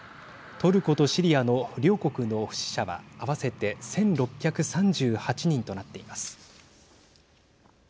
トルコとシリアの両国の死者は合わせて１６３８人となっています。